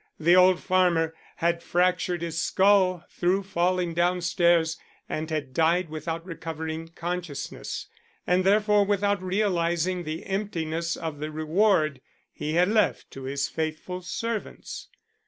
The old farmer had fractured his skull through falling downstairs, and had died without recovering consciousness, and therefore without realizing the emptiness of the reward he had left to his faithful servants.